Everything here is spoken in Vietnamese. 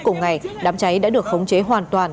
cùng ngày đám cháy đã được khống chế hoàn toàn